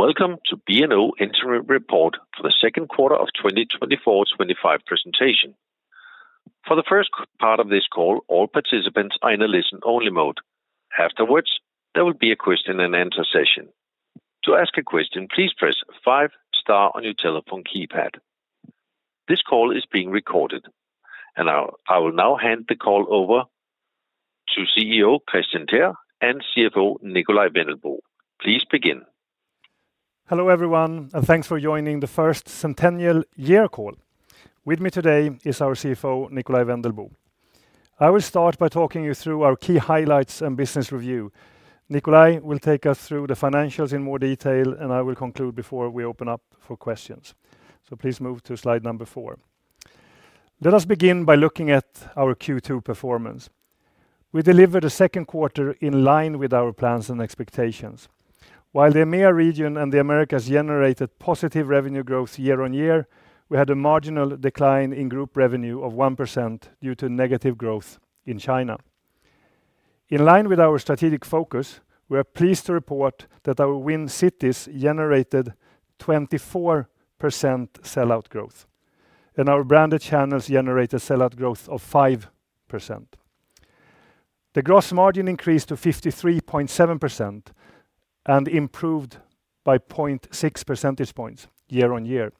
Welcome to B&O Interim Report for the second quarter of 2024-25 presentation. For the first part of this call, all participants are in a listen-only mode. Afterwards, there will be a question-and-answer session. To ask a question, please press five-star on your telephone keypad. This call is being recorded, and I will now hand the call over to CEO Kristian Teär and CFO Nikolaj Wendelboe. Please begin. Hello everyone, and thanks for joining the first Centennial Year Call. With me today is our CFO, Nikolaj Wendelboe. I will start by talking you through our key highlights and business review. Nikolaj will take us through the financials in more detail, and I will conclude before we open up for questions. So please move to slide number four. Let us begin by looking at our Q2 performance. We delivered the second quarter in line with our plans and expectations. While the EMEA region and the Americas generated positive revenue growth year on year, we had a marginal decline in group revenue of 1% due to negative growth in China. In line with our strategic focus, we are pleased to report that our Win Cities generated 24% sell-out growth, and our branded channels generated sell-out growth of 5%. The gross margin increased to 53.7% and improved by 0.6 percentage points year on year.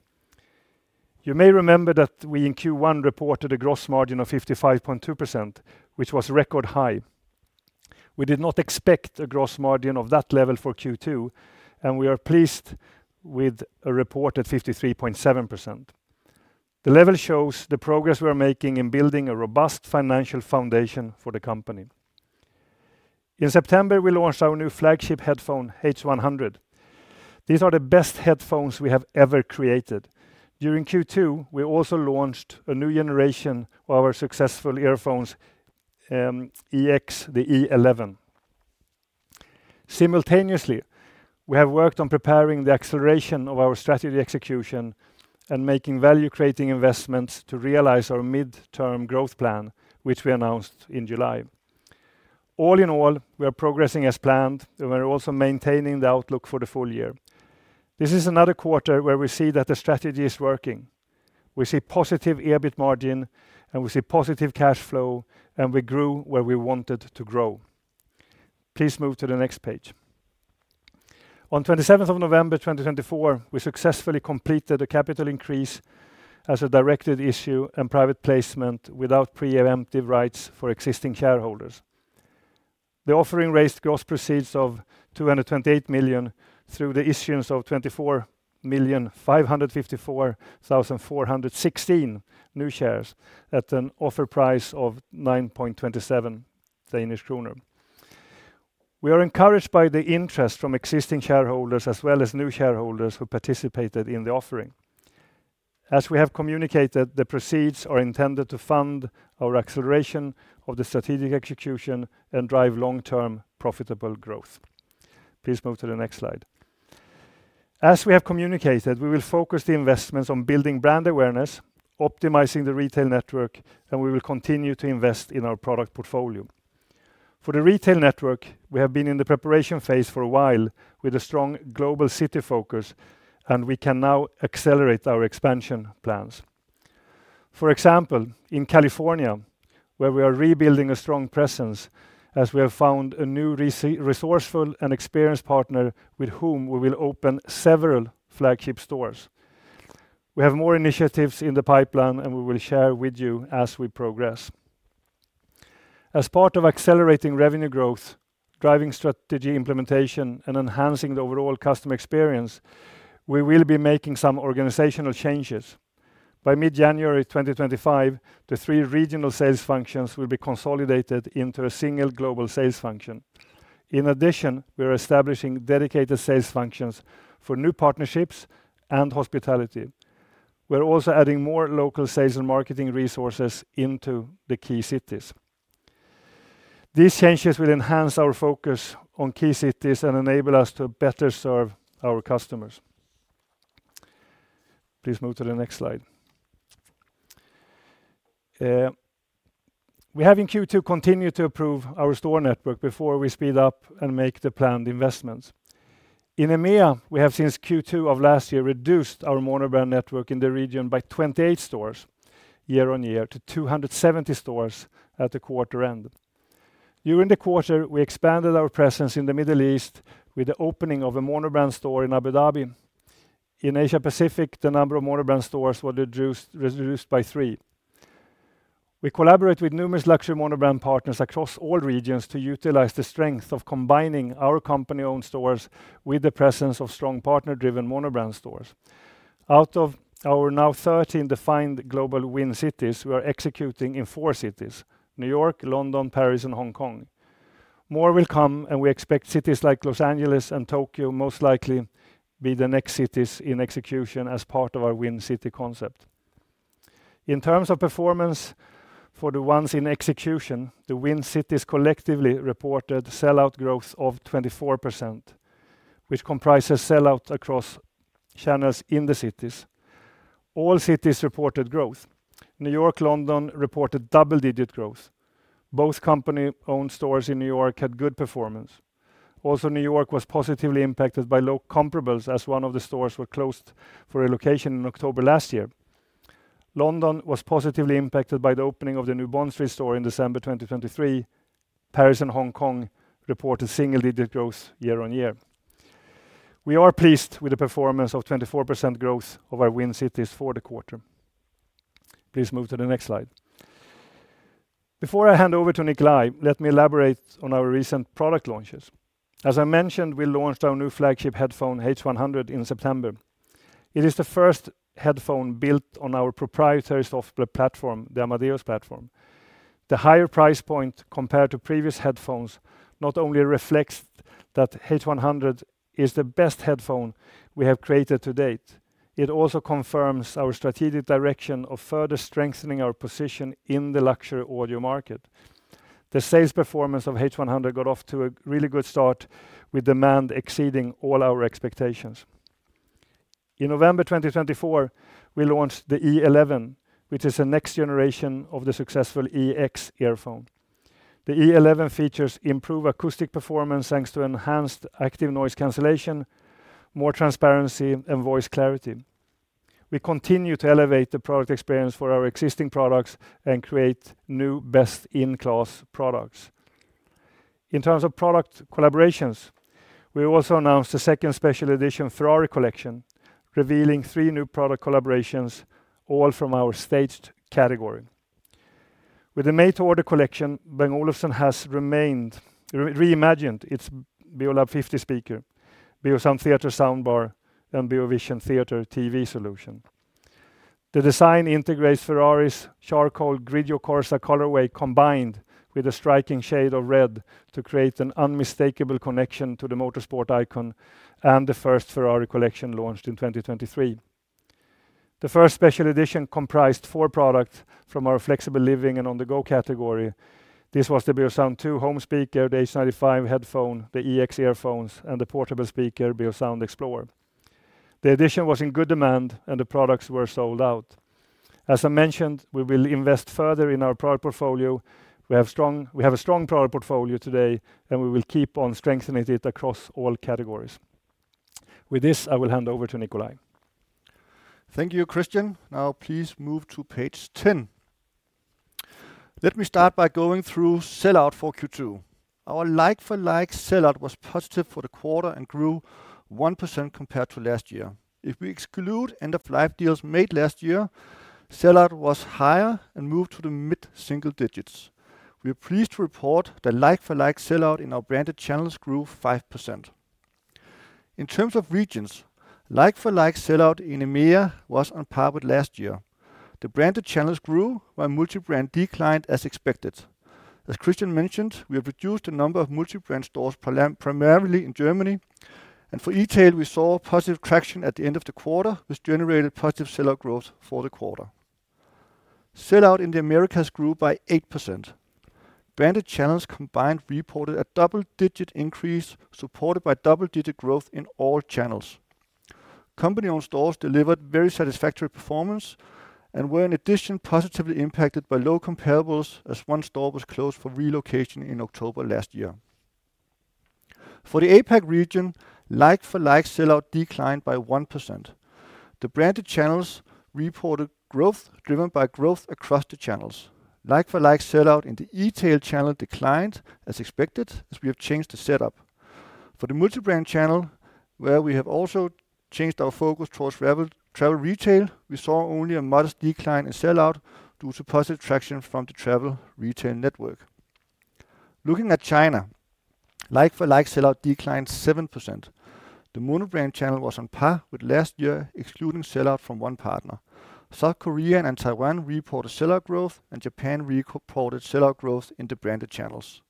You may remember that we in Q1 reported a gross margin of 55.2%, which was record high. We did not expect a gross margin of that level for Q2, and we are pleased with a report at 53.7%. The level shows the progress we are making in building a robust financial foundation for the company. In September, we launched our new flagship headphone, H100. These are the best headphones we have ever created. During Q2, we also launched a new generation of our successful earphones, EX, the Eleven. Simultaneously, we have worked on preparing the acceleration of our strategy execution and making value-creating investments to realize our midterm growth plan, which we announced in July. All in all, we are progressing as planned, and we are also maintaining the outlook for the full year. This is another quarter where we see that the strategy is working. We see positive EBIT margin, and we see positive cash flow, and we grew where we wanted to grow. Please move to the next page. On 27th November 2024, we successfully completed a capital increase as a Directed Issue and Private Placement without Preemptive Rights for existing shareholders. The offering raised gross proceeds of 228 million through the issuance of 24,554,416 new shares at an offer price of 9.27 Danish kroner. We are encouraged by the interest from existing shareholders as well as new shareholders who participated in the offering. As we have communicated, the proceeds are intended to fund our acceleration of the strategic execution and drive long-term profitable growth. Please move to the next slide. As we have communicated, we will focus the investments on building brand awareness, optimizing the retail network, and we will continue to invest in our product portfolio. For the retail network, we have been in the preparation phase for a while with a strong global city focus, and we can now accelerate our expansion plans. For example, in California, where we are rebuilding a strong presence as we have found a new resourceful and experienced partner with whom we will open several flagship stores. We have more initiatives in the pipeline, and we will share with you as we progress. As part of accelerating revenue growth, driving strategy implementation, and enhancing the overall customer experience, we will be making some organizational changes. By mid-January 2025, the three regional sales functions will be consolidated into a single global sales function. In addition, we are establishing dedicated sales functions for new partnerships and hospitality. We are also adding more local sales and marketing resources into the key cities. These changes will enhance our focus on key cities and enable us to better serve our customers. Please move to the next slide. We have in Q2 continued to improve our store network before we speed up and make the planned investments. In EMEA, we have since Q2 of last year reduced our monobrand network in the region by 28 stores year on year to 270 stores at the quarter end. During the quarter, we expanded our presence in the Middle East with the opening of a monobrand store in Abu Dhabi. In Asia Pacific, the number of monobrand stores was reduced by three. We collaborate with numerous luxury monobrand partners across all regions to utilize the strength of combining our company-owned stores with the presence of strong partner-driven monobrand stores. Out of our now 13 defined global Win Cities, we are executing in four cities: New York, London, Paris, and Hong Kong. More will come, and we expect cities like Los Angeles and Tokyo most likely to be the next cities in execution as part of our Win City concept. In terms of performance for the ones in execution, the Win Cities collectively reported sell-out growth of 24%, which comprises sell-outs across channels in the cities. All cities reported growth. New York and London reported double-digit growth. Both company-owned stores in New York had good performance. Also, New York was positively impacted by low comparables as one of the stores was closed for relocation in October last year. London was positively impacted by the opening of the new Bond Street store in December 2023. Paris and Hong Kong reported single-digit growth year on year. We are pleased with the performance of 24% growth of our Win Cities for the quarter. Please move to the next slide. Before I hand over to Nikolaj, let me elaborate on our recent product launches. As I mentioned, we launched our new flagship headphone, H100, in September. It is the first headphone built on our proprietary software platform, the Mozart platform. The higher price point compared to previous headphones not only reflects that H100 is the best headphone we have created to date. It also confirms our strategic direction of further strengthening our position in the luxury audio market. The sales performance of H100 got off to a really good start, with demand exceeding all our expectations. In November 2024, we launched the Eleven, which is the next generation of the successful EX earphone. The Eleven features improved acoustic performance thanks to enhanced active noise cancellation, more transparency, and voice clarity. We continue to elevate the product experience for our existing products and create new best-in-class products. In terms of product collaborations, we also announced the second special edition Ferrari collection, revealing three new product collaborations, all from our Staged category. With the made-to-order collection, Bang & Olufsen has reimagined its Beolab 50 speaker, Beosound Theatre soundbar, and Beovision Theatre TV solution. The design integrates Ferrari's charcoal Grigio Corsa colorway combined with a striking shade of red to create an unmistakable connection to the motorsport icon and the first Ferrari collection launched in 2023. The first special edition comprised four products from our Flexible Living and On-the-Go category. This was the Beosound 2 home speaker, the Beoplay H95 headphone, the Beoplay EX earphones, and the portable speaker, Beosound Explorer. The edition was in good demand, and the products were sold out. As I mentioned, we will invest further in our product portfolio. We have a strong product portfolio today, and we will keep on strengthening it across all categories. With this, I will hand over to Nikolaj. Thank you, Kristian. Now, please move to page 10. Let me start by going through sell-out for Q2. Our like-for-like sell-out was positive for the quarter and grew 1% compared to last year. If we exclude end-of-life deals made last year, sell-out was higher and moved to the mid-single digits. We are pleased to report that like-for-like sell-out in our branded channels grew 5%. In terms of regions, like-for-like sell-out in EMEA was on par with last year. The branded channels grew while multi-brand declined as expected. As Kristian mentioned, we have reduced the number of multi-brand stores primarily in Germany, and for retail, we saw positive traction at the end of the quarter, which generated positive sell-out growth for the quarter. Sell-out in the Americas grew by 8%. Branded channels combined reported a double-digit increase supported by double-digit growth in all channels. Company-owned stores delivered very satisfactory performance and were, in addition, positively impacted by low comparables as one store was closed for relocation in October last year. For the APAC region, like-for-like sell-out declined by 1%. The branded channels reported growth driven by growth across the channels. Like-for-like sell-out in the retail channel declined as expected as we have changed the setup. For the multi-brand channel, where we have also changed our focus towards travel retail, we saw only a modest decline in sell-out due to positive traction from the travel retail network. Looking at China, like-for-like sell-out declined 7%. The monobrand channel was on par with last year, excluding sell-out from one partner. South Korea and Taiwan reported sell-out growth, and Japan reported sell-out growth in the branded channels.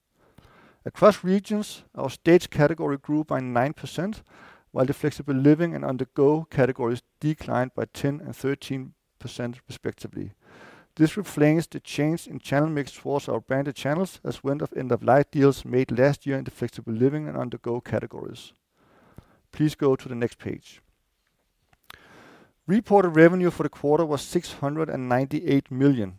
Across regions, our Staged category grew by 9%, while the Flexible Living and On-the-Go categories declined by 10% and 13% respectively. This reflects the change in channel mix towards our branded channels as end-of-life deals made last year in the Flexible Living and On-the-Go categories. Please go to the next page. Reported revenue for the quarter was 698 million.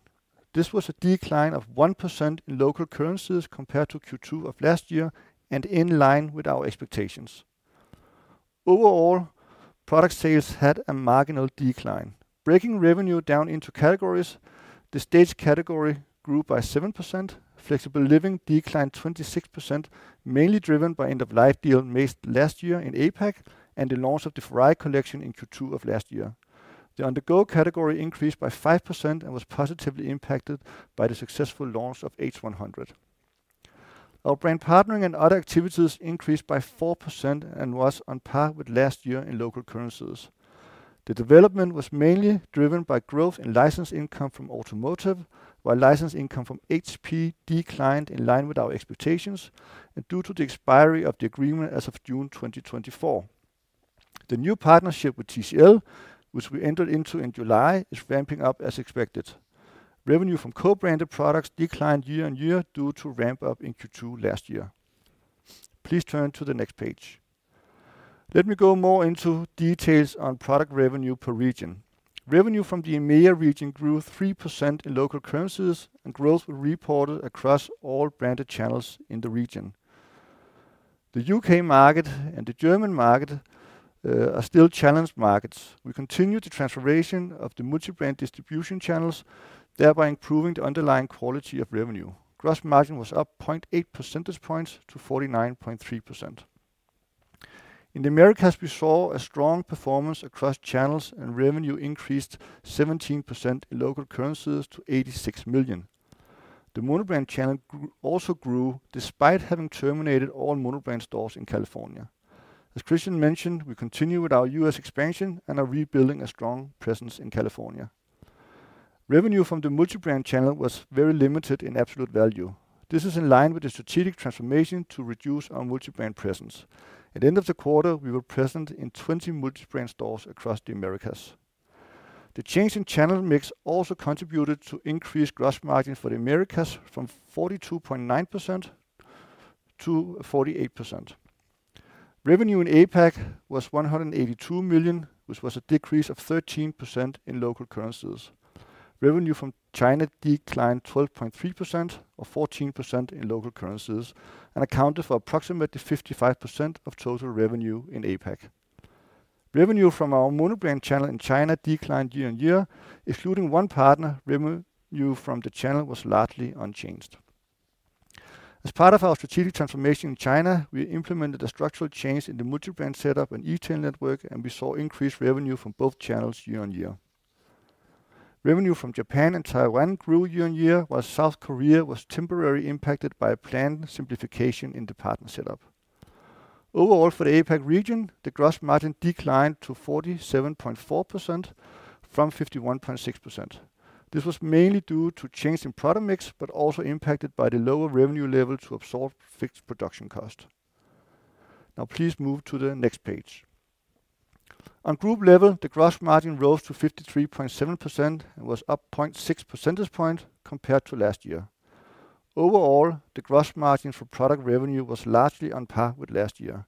This was a decline of 1% in local currencies compared to Q2 of last year and in line with our expectations. Overall, product sales had a marginal decline. Breaking revenue down into categories, the Staged category grew by 7%. Flexible living declined 26%, mainly driven by end-of-life deals made last year in APAC and the launch of the Ferrari collection in Q2 of last year. The On-the-Go category increased by 5% and was positively impacted by the successful launch of H100. Our brand partnering and other activities increased by 4% and was on par with last year in local currencies. The development was mainly driven by growth in license income from automotive, while license income from HP declined in line with our expectations due to the expiry of the agreement as of June 2024. The new partnership with TCL, which we entered into in July, is ramping up as expected. Revenue from co-branded products declined year on year due to ramp-up in Q2 last year. Please turn to the next page. Let me go more into details on product revenue per region. Revenue from the EMEA region grew 3% in local currencies, and growth was reported across all branded channels in the region. The UK market and the German market are still challenged markets. We continued the transformation of the multi-brand distribution channels, thereby improving the underlying quality of revenue. Gross margin was up 0.8 percentage points to 49.3%. In the Americas, we saw a strong performance across channels, and revenue increased 17% in local currencies to 86 million. The monobrand channel also grew despite having terminated all monobrand stores in California. As Kristian mentioned, we continue with our U.S. expansion and are rebuilding a strong presence in California. Revenue from the multi-brand channel was very limited in absolute value. This is in line with the strategic transformation to reduce our multi-brand presence. At the end of the quarter, we were present in 20 multi-brand stores across the Americas. The change in channel mix also contributed to increased gross margin for the Americas from 42.9%-48%. Revenue in APAC was 182 million, which was a decrease of 13% in local currencies. Revenue from China declined 12.3% or 14% in local currencies and accounted for approximately 55% of total revenue in APAC. Revenue from our monobrand channel in China declined year on year. Excluding one partner, revenue from the channel was largely unchanged. As part of our strategic transformation in China, we implemented a structural change in the multi-brand setup and retail network, and we saw increased revenue from both channels year on year. Revenue from Japan and Taiwan grew year on year, while South Korea was temporarily impacted by a planned simplification in the partner setup. Overall, for the APAC region, the gross margin declined to 47.4% from 51.6%. This was mainly due to changes in product mix, but also impacted by the lower revenue level to absorb fixed production costs. Now, please move to the next page. On group level, the gross margin rose to 53.7% and was up 0.6 percentage points compared to last year. Overall, the gross margin for product revenue was largely on par with last year.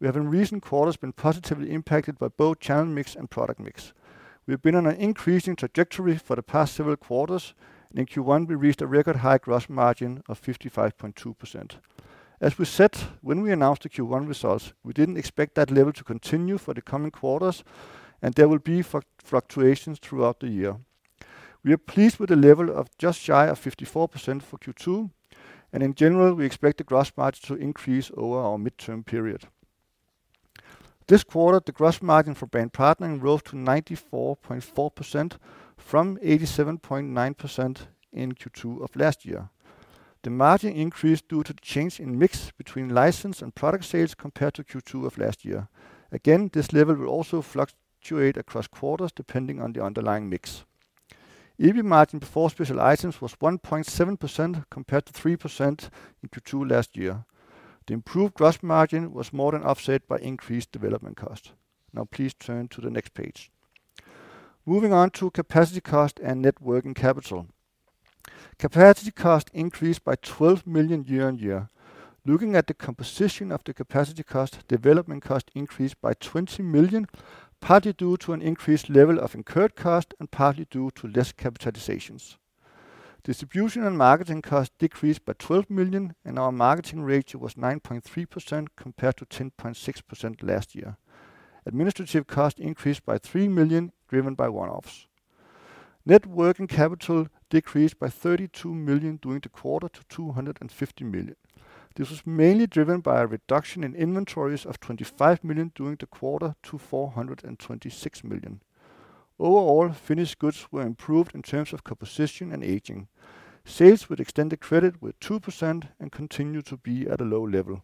We have, in recent quarters, been positively impacted by both channel mix and product mix. We have been on an increasing trajectory for the past several quarters, and in Q1, we reached a record high gross margin of 55.2%. As we said when we announced the Q1 results, we didn't expect that level to continue for the coming quarters, and there will be fluctuations throughout the year. We are pleased with the level of just shy of 54% for Q2, and in general, we expect the gross margin to increase over our midterm period. This quarter, the gross margin for brand partnering rose to 94.4% from 87.9% in Q2 of last year. The margin increased due to the change in mix between license and product sales compared to Q2 of last year. Again, this level will also fluctuate across quarters depending on the underlying mix. EBIT margin before special items was 1.7% compared to 3% in Q2 last year. The improved gross margin was more than offset by increased development costs. Now, please turn to the next page. Moving on to capacity cost and net working capital. Capacity cost increased by 12 million year on year. Looking at the composition of the capacity cost, development cost increased by 20 million, partly due to an increased level of incurred cost and partly due to less capitalizations. Distribution and marketing costs decreased by 12 million, and our marketing ratio was 9.3% compared to 10.6% last year. Administrative cost increased by 3 million, driven by one-offs. Net working capital decreased by 32 million during the quarter to 250 million. This was mainly driven by a reduction in inventories of 25 million during the quarter to 426 million. Overall, finished goods were improved in terms of composition and aging. Sales with extended credit were 2% and continued to be at a low level.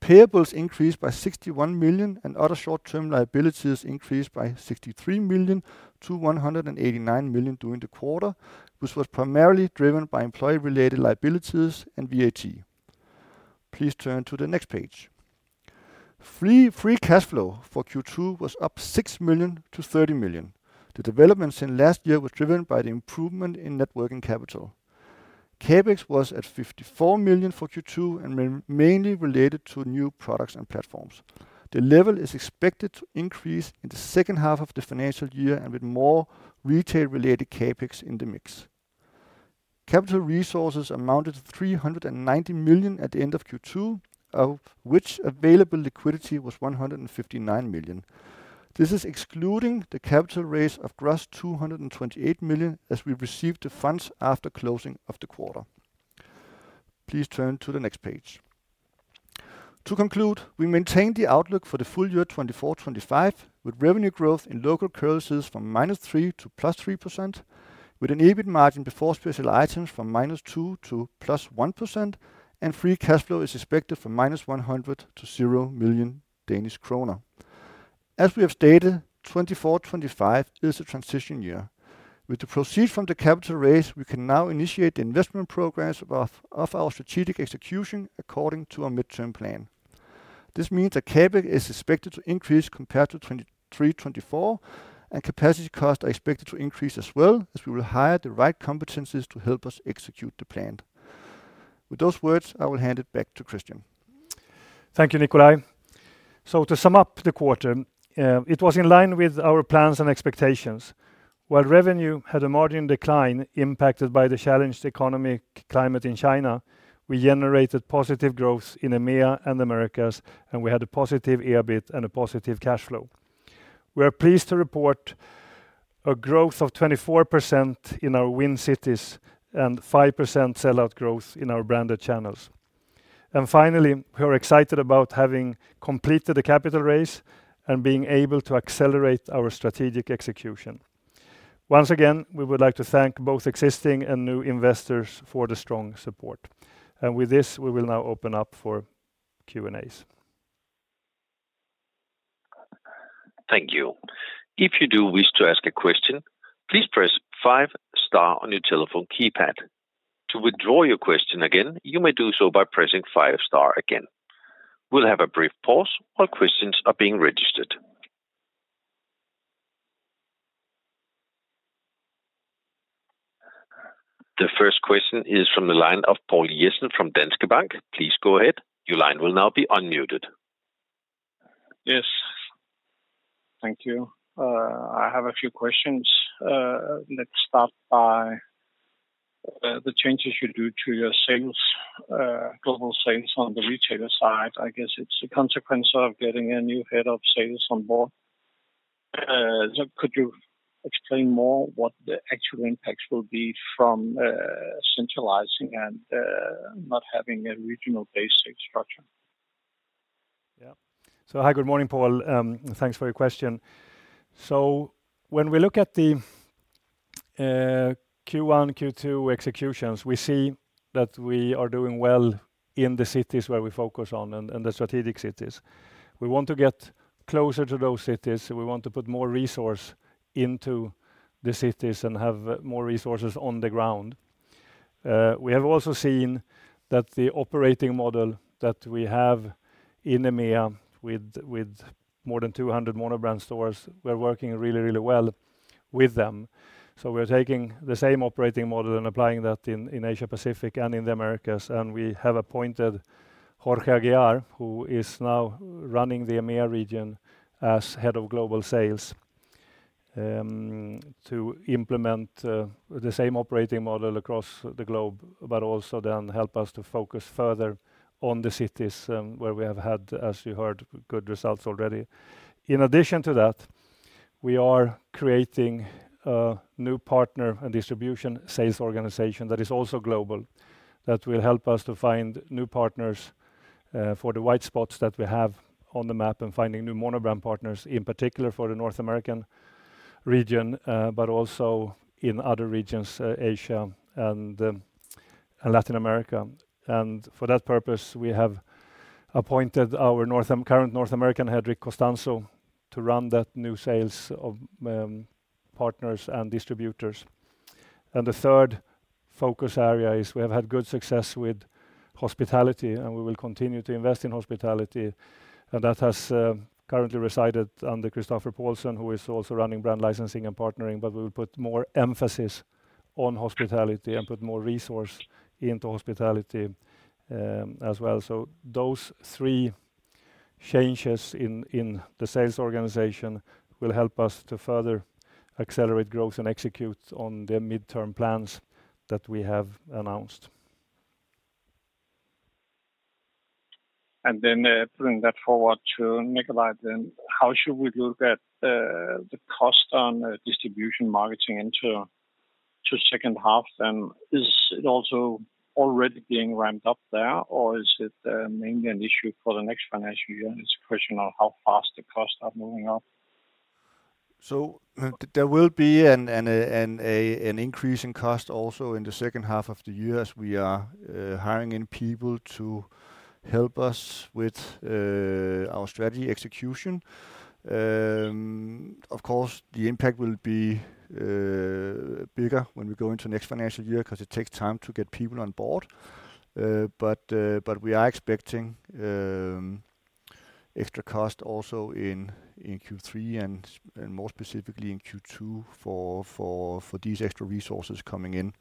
Payables increased by 61 million, and other short-term liabilities increased by 63 million to 189 million during the quarter, which was primarily driven by employee-related liabilities and VAT. Please turn to the next page. Free cash flow for Q2 was up 6 million to 30 million. The development since last year was driven by the improvement in net working capital. CapEx was at 54 million for Q2 and mainly related to new products and platforms. The level is expected to increase in the second half of the financial year and with more retail-related CapEx in the mix. Capital resources amounted to 390 million at the end of Q2, of which available liquidity was 159 million. This is excluding the capital raise of gross 228 million as we received the funds after closing of the quarter. Please turn to the next page. To conclude, we maintain the outlook for the full year 2024-25, with revenue growth in local currencies from -3%-+3%, with an EBIT margin before special items from -2%-+1%, and free cash flow is expected from -100 million DKK to 0 million Danish kroner. As we have stated, 2024-25 is a transition year. With the proceeds from the capital raise, we can now initiate the investment programs of our strategic execution according to our mid-term plan. This means that CapEx is expected to increase compared to 2023-24, and capacity costs are expected to increase as well as we will hire the right competencies to help us execute the plan. With those words, I will hand it back to Kristian. Thank you, Nikolaj. So, to sum up the quarter, it was in line with our plans and expectations. While revenue had a margin decline impacted by the challenged economic climate in China, we generated positive growth in EMEA and the Americas, and we had a positive EBIT and a positive cash flow. We are pleased to report a growth of 24% in our Win Cities and 5% sell-out growth in our branded channels. And finally, we are excited about having completed the capital raise and being able to accelerate our strategic execution. Once again, we would like to thank both existing and new investors for the strong support. And with this, we will now open up for Q&As. Thank you. If you do wish to ask a question, please press five-star on your telephone keypad. To withdraw your question again, you may do so by pressing five-star again. We'll have a brief pause while questions are being registered. The first question is from the line of Poul Jessen from Danske Bank. Please go ahead. Your line will now be unmuted. Yes. Thank you. I have a few questions. Let's start by the changes you do to your sales, global sales on the retailer side. I guess it's a consequence of getting a new head of sales on board. Could you explain more what the actual impacts will be from centralizing and not having a regional base infrastructure? Yeah. So, hi, good morning, Poul. Thanks for your question. So, when we look at the Q1, Q2 executions, we see that we are doing well in the cities where we focus on and the strategic cities. We want to get closer to those cities. We want to put more resources into the cities and have more resources on the ground. We have also seen that the operating model that we have in EMEA with more than 200 monobrand stores. We're working really, really well with them. So, we're taking the same operating model and applying that in Asia-Pacific and in the Americas. We have appointed Jorge Aguiar, who is now running the EMEA region as Head of Global Sales, to implement the same operating model across the globe, but also then help us to focus further on the cities where we have had, as you heard, good results already. In addition to that, we are creating a new partner and distribution sales organization that is also global that will help us to find new partners for the white spots that we have on the map and finding new monobrand partners, in particular for the North American region, but also in other regions, Asia and Latin America. And for that purpose, we have appointed our current North American Head, Rick Costanzo, to run that new sales of partners and distributors. And the third focus area is we have had good success with hospitality, and we will continue to invest in hospitality. That has currently resided under Christoffer Poulsen, who is also running brand licensing and partnering, but we will put more emphasis on hospitality and put more resources into hospitality as well. Those three changes in the sales organization will help us to further accelerate growth and execute on the midterm plans that we have announced. And then putting that forward to Nikolaj, then how should we look at the cost on distribution marketing into the second half then? Is it also already being ramped up there, or is it mainly an issue for the next financial year? It's a question of how fast the costs are moving up. So, there will be an increase in cost also in the second half of the year as we are hiring in people to help us with our strategy execution. Of course, the impact will be bigger when we go into the next financial year because it takes time to get people on board. But we are expecting extra costs also in Q3 and more specifically in Q2 for these extra resources coming in.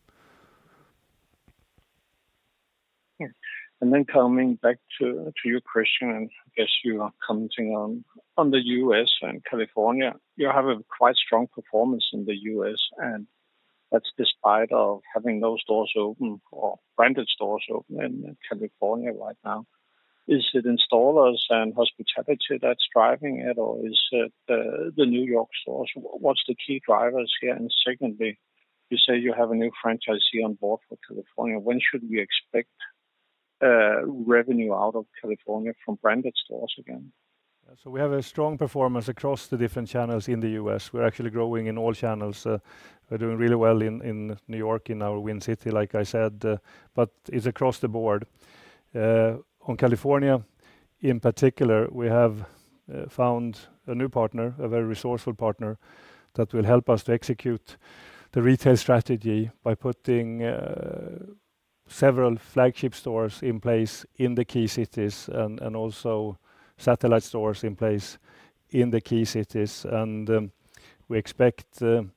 And then, coming back to your question, and I guess you are commenting on the U.S. and California, you have a quite strong performance in the U.S., and that's despite having those doors open or branded stores open in California right now. Is it installers and hospitality that's driving it, or is it the New York stores? What's the key drivers here? And secondly, you say you have a new franchisee on board for California. When should we expect revenue out of California from branded stores again? We have a strong performance across the different channels in the U.S. We're actually growing in all channels. We're doing really well in New York, in our Win City, like I said, but it's across the board. In California, in particular, we have found a new partner, a very resourceful partner that will help us to execute the retail strategy by putting several flagship stores in place in the key cities and also satellite stores in place in the key cities. We expect the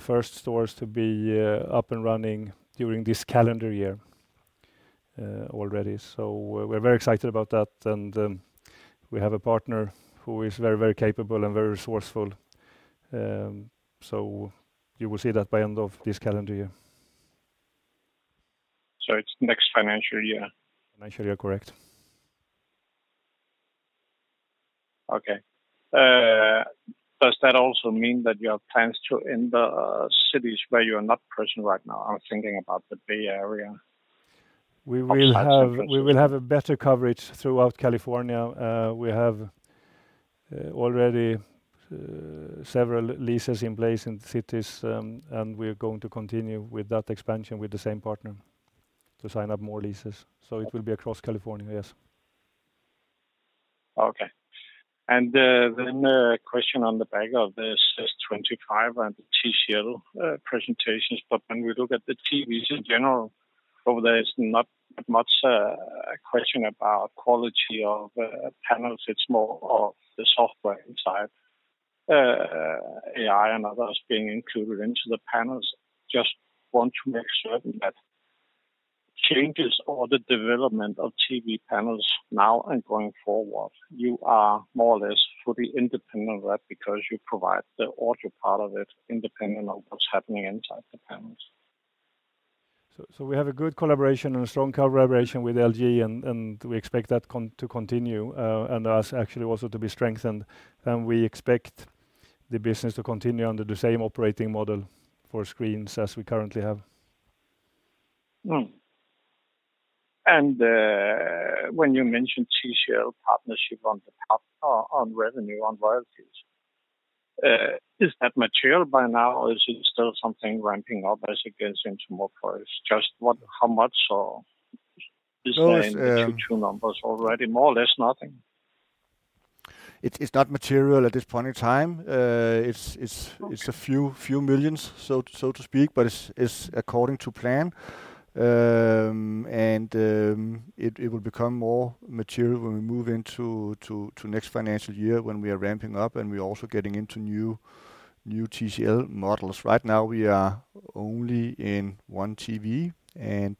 first stores to be up and running during this calendar year already. We're very excited about that, and we have a partner who is very, very capable and very resourceful. You will see that by the end of this calendar year. It's the next financial year. Financial year, correct. Okay. Does that also mean that you have plans to end the cities where you are not present right now? I'm thinking about the Bay Area. We will have a better coverage throughout California. We have already several leases in place in the cities, and we are going to continue with that expansion with the same partner to sign up more leases. So, it will be across California, yes. Okay. And then a question on the back of this CES and the TCL presentations, but when we look at the TVs in general, there's not much question about quality of panels. It's more of the software inside, AI and others being included into the panels. Just want to make certain that changes or the development of TV panels now and going forward, you are more or less fully independent of that because you provide the audio part of it independent of what's happening inside the panels. We have a good collaboration and a strong collaboration with LG, and we expect that to continue and us actually also to be strengthened. We expect the business to continue under the same operating model for screens as we currently have. When you mentioned TCL partnership on revenue on wireless, is that material by now? Is it still something ramping up as it gets into more formats? Just how much is there in the Q2 numbers already? More or less nothing? It's not material at this point in time. It's a few million, so to speak, but it's according to plan, and it will become more material when we move into the next financial year when we are ramping up and we are also getting into new TCL models. Right now, we are only in one TV, and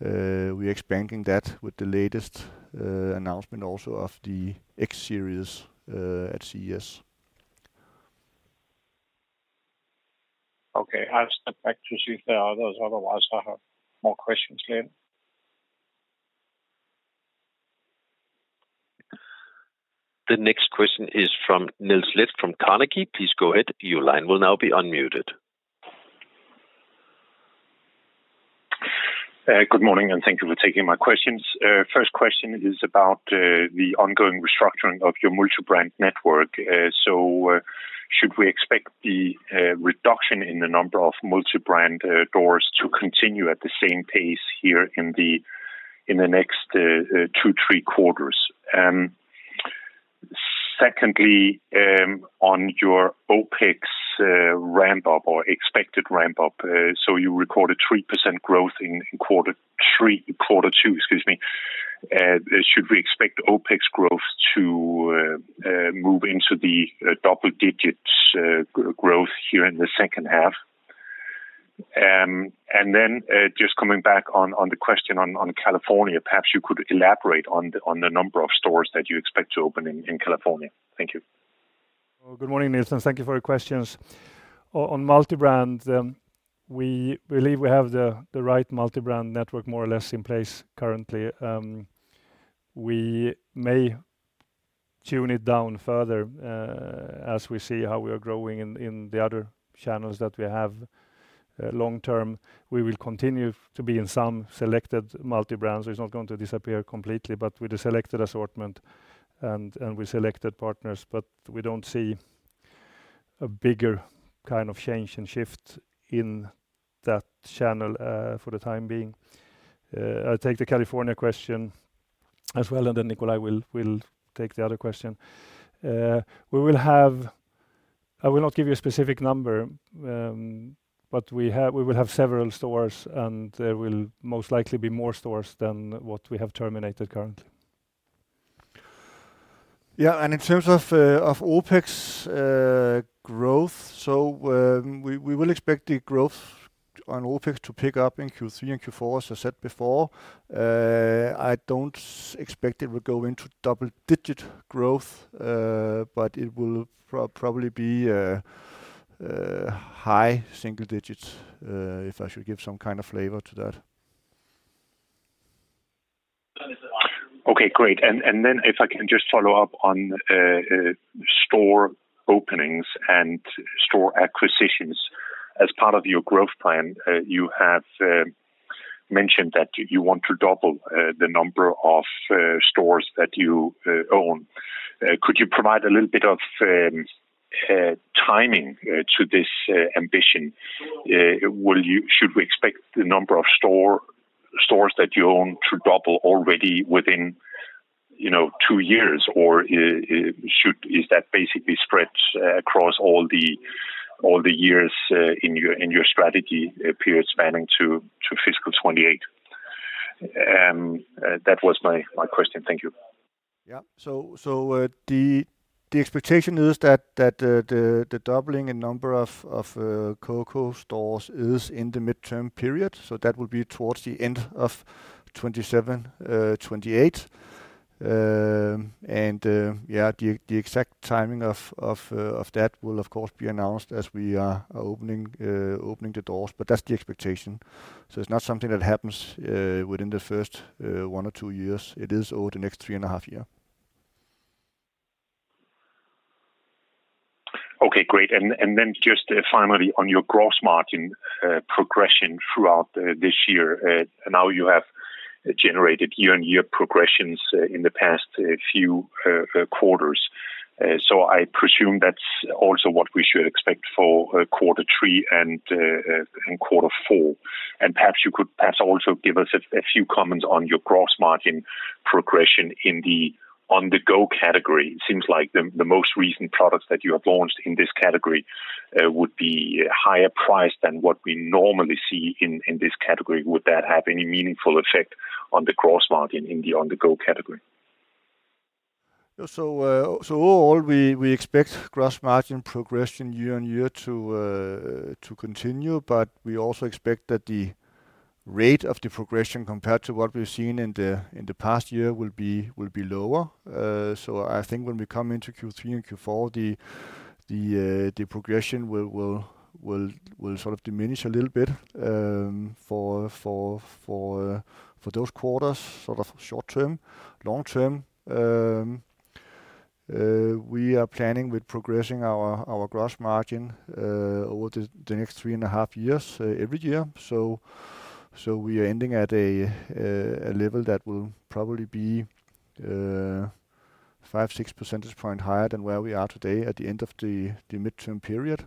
we are expanding that with the latest announcement also of the X Series at CES. Okay. I'll step back to see if there are others. Otherwise, I have more questions later. The next question is from Niels Leth from Carnegie. Please go ahead. Your line will now be unmuted. Good morning, and thank you for taking my questions. First question is about the ongoing restructuring of your multi-brand network. So, should we expect the reduction in the number of multi-brand doors to continue at the same pace here in the next two, three quarters? Secondly, on your OPEX ramp-up or expected ramp-up, so you recorded 3% growth in quarter two, excuse me. Should we expect OPEX growth to move into the double-digit growth here in the second half? And then just coming back on the question on California, perhaps you could elaborate on the number of stores that you expect to open in California. Thank you. Good morning, Niels. And thank you for your questions. On multi-brand, we believe we have the right multi-brand network more or less in place currently. We may tune it down further as we see how we are growing in the other channels that we have long-term. We will continue to be in some selected multi-brands. It's not going to disappear completely, but with a selected assortment and with selected partners. But we don't see a bigger kind of change and shift in that channel for the time being. I'll take the California question as well, and then Nikolaj will take the other question. We will have. I will not give you a specific number, but we will have several stores, and there will most likely be more stores than what we have terminated currently. Yeah, and in terms of OpEx growth, so we will expect the growth on OpEx to pick up in Q3 and Q4, as I said before. I don't expect it will go into double-digit growth, but it will probably be high single digits if I should give some kind of flavor to that. Okay, great. And then if I can just follow up on store openings and store acquisitions. As part of your growth plan, you have mentioned that you want to double the number of stores that you own. Could you provide a little bit of timing to this ambition? Should we expect the number of stores that you own to double already within two years, or is that basically spread across all the years in your strategy period spanning to fiscal 2028? That was my question. Thank you. Yeah. So the expectation is that the doubling in number of COCO stores is in the midterm period. So that will be towards the end of 2027, 2028. And yeah, the exact timing of that will, of course, be announced as we are opening the doors, but that's the expectation. So it's not something that happens within the first one or two years. It is over the next three and a half years. Okay, great. And then just finally on your gross margin progression throughout this year. Now you have generated year-on-year progressions in the past few quarters. So I presume that's also what we should expect for quarter three and quarter four. And perhaps you could also give us a few comments on your gross margin progression in the On-the-Go category. It seems like the most recent products that you have launched in this category would be higher priced than what we normally see in this category. Would that have any meaningful effect on the gross margin in the On-the-Go category? So overall, we expect gross margin progression year-on-year to continue, but we also expect that the rate of the progression compared to what we've seen in the past year will be lower. So I think when we come into Q3 and Q4, the progression will sort of diminish a little bit for those quarters, sort of short-term, long-term. We are planning with progressing our gross margin over the next three and a half years every year. So we are ending at a level that will probably be five, six percentage points higher than where we are today at the end of the midterm period.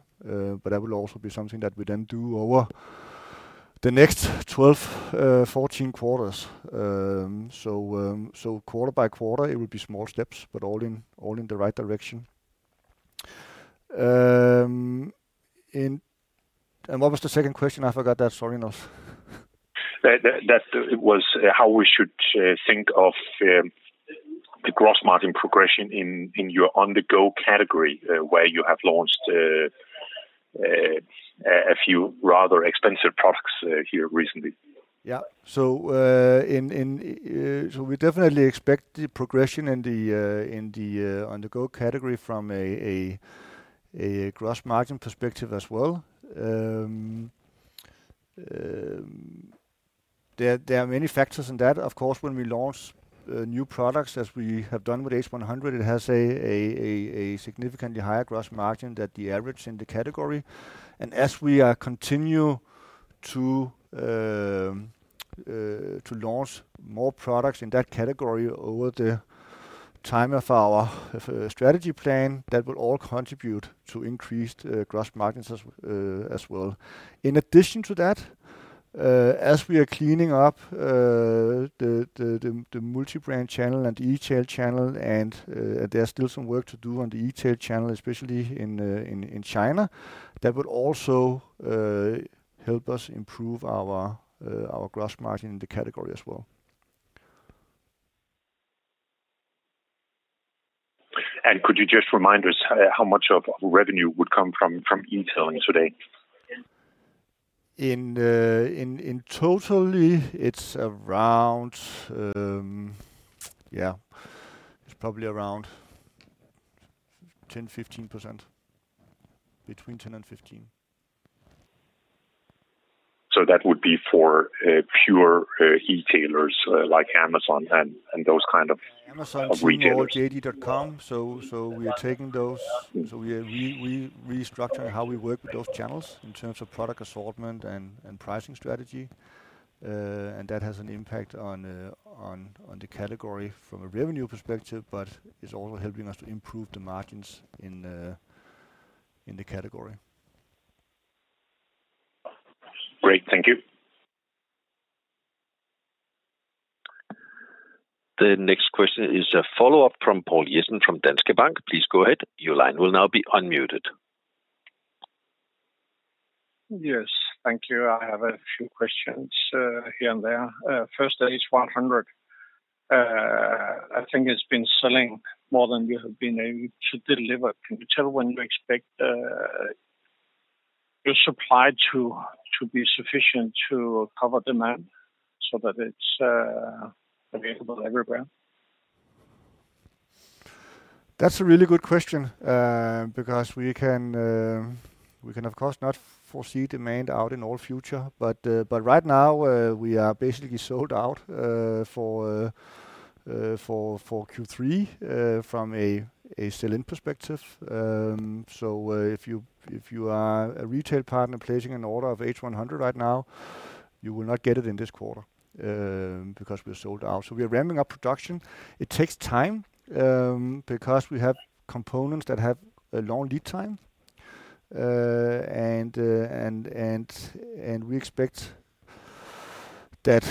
But that will also be something that we then do over the next 12-14 quarters. So quarter by quarter, it will be small steps, but all in the right direction. And what was the second question? I forgot that. Sorry, Niels. That was how we should think of the gross margin progression in your On-the-Go category where you have launched a few rather expensive products here recently. Yeah. So we definitely expect the progression in the On-the-Go category from a gross margin perspective as well. There are many factors in that. Of course, when we launch new products, as we have done with H100, it has a significantly higher gross margin than the average in the category. And as we continue to launch more products in that category over the time of our strategy plan, that will all contribute to increased gross margins as well. In addition to that, as we are cleaning up the multi-brand channel and the retail channel, and there's still some work to do on the retail channel, especially in China, that would also help us improve our gross margin in the category as well. Could you just remind us how much of revenue would come from e-tailing today? In total, it's around, yeah, it's probably around 10%-15%, between 10% and 15%. That would be for pure retailers like Amazon and those kinds of retailers. Amazon, CDON.com. So we are taking those. So we are restructuring how we work with those channels in terms of product assortment and pricing strategy. And that has an impact on the category from a revenue perspective, but it's also helping us to improve the margins in the category. Great. Thank you. The next question is a follow-up from Poul Jessen from Danske Bank. Please go ahead. Your line will now be unmuted. Yes. Thank you. I have a few questions here and there. First, H100. I think it's been selling more than we have been able to deliver. Can you tell when you expect your supply to be sufficient to cover demand so that it's available everywhere? That's a really good question because we can, of course, not foresee demand out in all future, but right now, we are basically sold out for Q3 from a sell-in perspective, so if you are a retail partner placing an order of H100 right now, you will not get it in this quarter because we're sold out, so we are ramping up production. It takes time because we have components that have a long lead time, and we expect that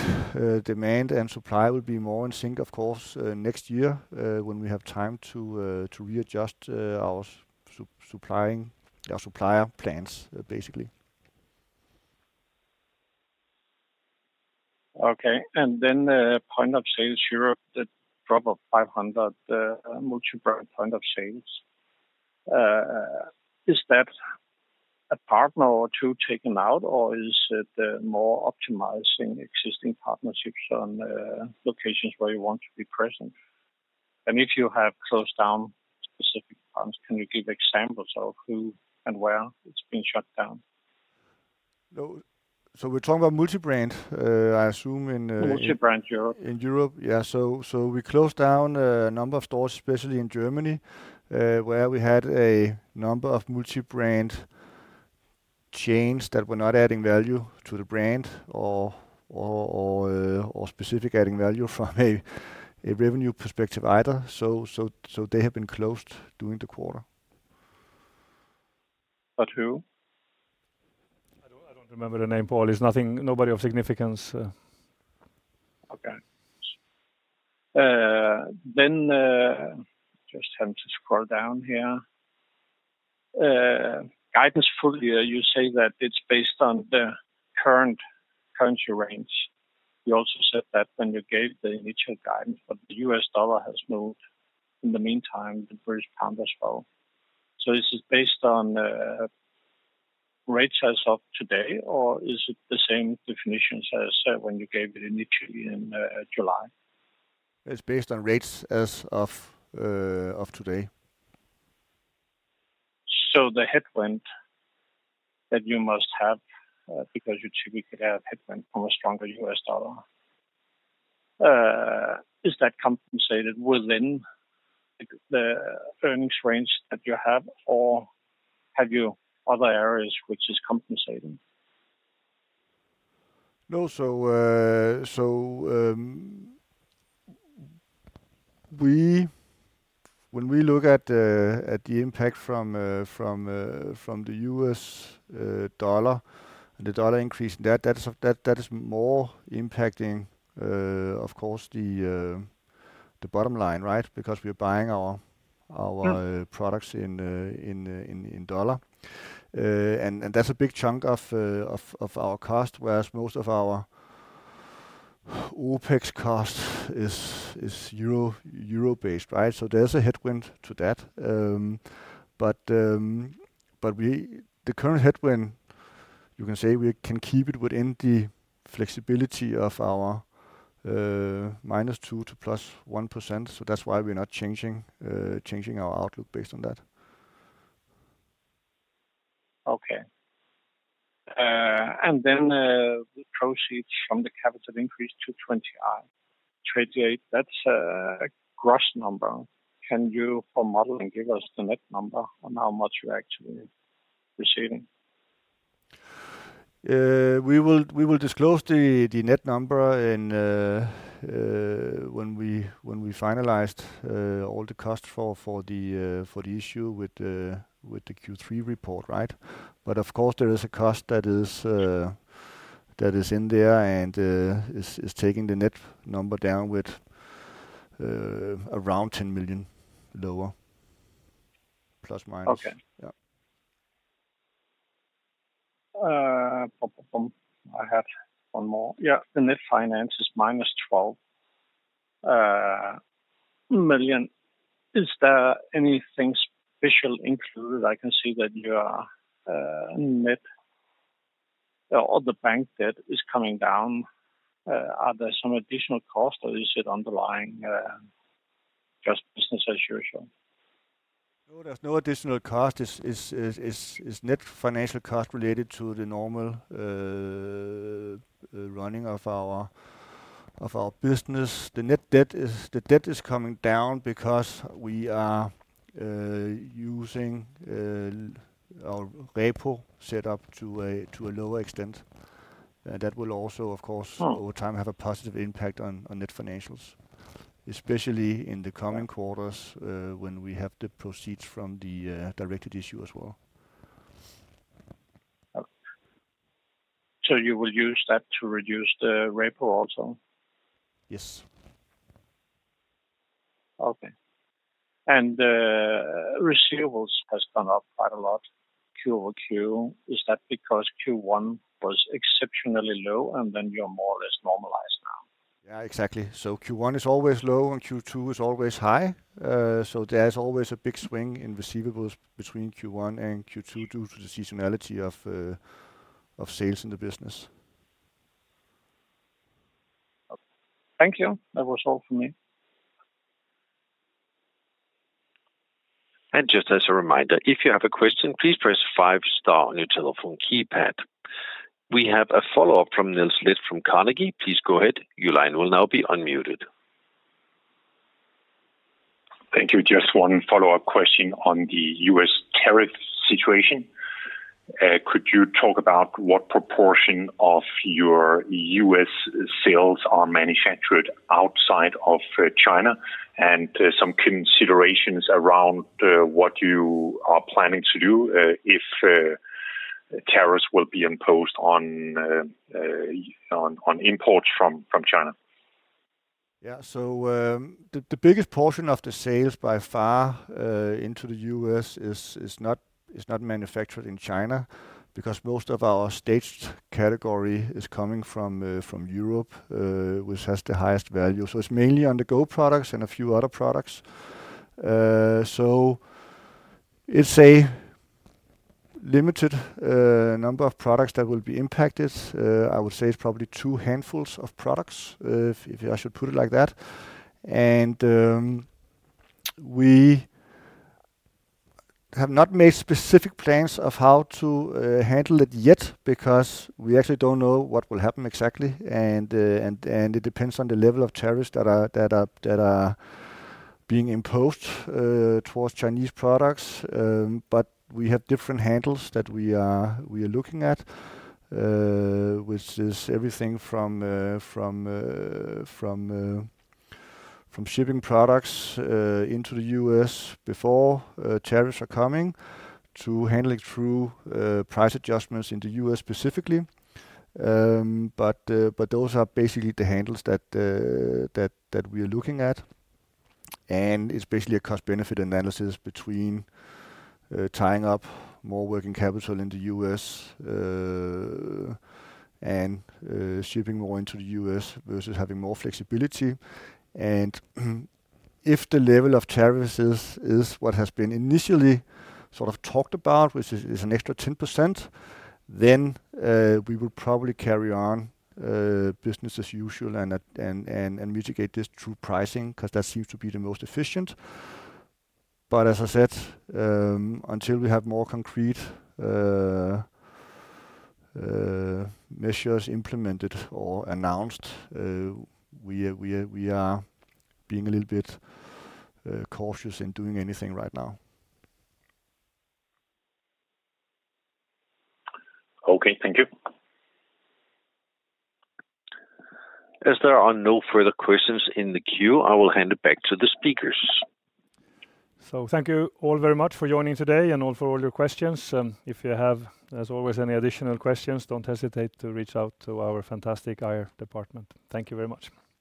demand and supply will be more in sync, of course, next year when we have time to readjust our supplier plans, basically. Okay. And then points of sale Europe, the drop of 500 multi-brand points of sale. Is that a partner or two taken out, or is it more optimizing existing partnerships on locations where you want to be present? And if you have closed down specific partners, can you give examples of who and where it's been shut down? We're talking about multi-brand, I assume, in Europe. Multi-brand Europe. In Europe, yeah. So we closed down a number of stores, especially in Germany, where we had a number of multi-brand chains that were not adding value to the brand or specifically adding value from a revenue perspective either. So they have been closed during the quarter. Or two? I don't remember the name, Poul. It's nothing, nobody of significance. Okay, then just have to scroll down here. Guidance for the year, you say that it's based on the current currency range. You also said that when you gave the initial guidance, but the U.S. dollar has moved in the meantime, the British pound as well. So is it based on rates as of today, or is it the same definitions as when you gave it initially in July? It's based on rates as of today. So the headwind that you must have because you typically have headwind from a stronger U.S. dollar, is that compensated within the earnings range that you have, or have you other areas which is compensating? No. So when we look at the impact from the U.S. dollar and the dollar increase, that is more impacting, of course, the bottom line, right, because we are buying our products in dollar. And that's a big chunk of our cost, whereas most of our OpEx cost is euro-based, right? So there's a headwind to that. But the current headwind, you can say we can keep it within the flexibility of our -2%-+1%. So that's why we're not changing our outlook based on that. Okay. And then we proceed from the capital increase to 28. That's a gross number. Can you, for modeling, give us the net number on how much you're actually receiving? We will disclose the net number when we finalized all the costs for the issue with the Q3 report, right? But of course, there is a cost that is in there and is taking the net number down with around 10 million lower, plus minus. Okay. I had one more. Yeah. The net finance is -12 million. Is there anything special included? I can see that your net debt is coming down. Are there some additional costs or is it underlying just business as usual? No, there's no additional cost. It's net financial cost related to the normal running of our business. The net debt is coming down because we are using our repo setup to a lower extent. That will also, of course, over time, have a positive impact on net financials, especially in the coming quarters when we have the proceeds from the Directed Issue as well. So you will use that to reduce the repo also? Yes. Okay. And receivables has gone up quite a lot, Q over Q. Is that because Q1 was exceptionally low and then you're more or less normalized now? Yeah, exactly. So Q1 is always low and Q2 is always high. So there's always a big swing in receivables between Q1 and Q2 due to the seasonality of sales in the business. Thank you. That was all for me. And just as a reminder, if you have a question, please press five star on your telephone keypad. We have a follow-up from Niels Leth from Carnegie. Please go ahead. Your line will now be unmuted. Thank you. Just one follow-up question on the U.S. tariff situation. Could you talk about what proportion of your U.S. sales are manufactured outside of China and some considerations around what you are planning to do if tariffs will be imposed on imports from China? Yeah. So the biggest portion of the sales by far into the U.S. is not manufactured in China because most of our Staged category is coming from Europe, which has the highest value. So it's mainly On-the-Go products and a few other products. So it's a limited number of products that will be impacted. I would say it's probably two handfuls of products, if I should put it like that. And we have not made specific plans of how to handle it yet because we actually don't know what will happen exactly. And it depends on the level of tariffs that are being imposed towards Chinese products. But we have different handles that we are looking at, which is everything from shipping products into the U.S. before tariffs are coming to handling through price adjustments in the U.S. specifically. But those are basically the handles that we are looking at. It's basically a cost-benefit analysis between tying up more working capital in the U.S. and shipping more into the U.S. versus having more flexibility. If the level of tariffs is what has been initially sort of talked about, which is an extra 10%, then we will probably carry on business as usual and mitigate this through pricing because that seems to be the most efficient. As I said, until we have more concrete measures implemented or announced, we are being a little bit cautious in doing anything right now. Okay. Thank you. If there are no further questions in the queue, I will hand it back to the speakers. Thank you all very much for joining today and for all your questions. If you have, as always, any additional questions, don't hesitate to reach out to our fantastic IR department. Thank you very much.